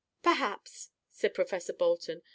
"Perhaps," said Professor Bolton.